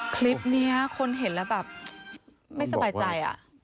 คลิปนี้คนเห็นแล้วแบบไม่สบายใจ